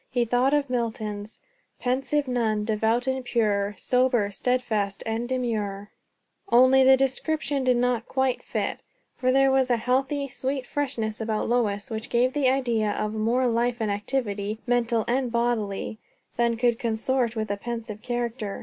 He thought of Milton's "Pensive nun, devout and pure, Sober, stedfast, and demure" only the description did not quite fit; for there was a healthy, sweet freshness about Lois which gave the idea of more life and activity, mental and bodily, than could consort with a pensive character.